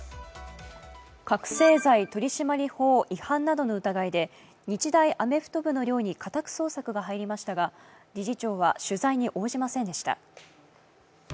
覚醒剤取締法違反などの疑いで日大アメフト部の寮に家宅捜索が入りましたが理事長は取材に応じませんでした。